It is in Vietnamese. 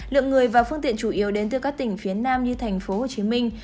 lượng người và phương tiện chủ yếu đến từ các tỉnh phía nam như thành phố hồ chí minh